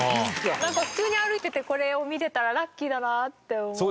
なんか普通に歩いててこれを見れたらラッキーだなって思って。